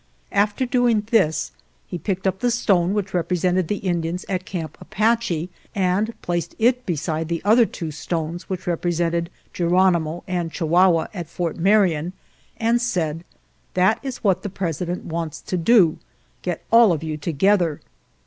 After doing this he picked up the stone which repre sented the Indians at Camp Apache and placed it beside the other two stones which represented Geronimo and Chihuahau at Fort Marion, and said, * That is what the President wants to do, get all of you to gether.'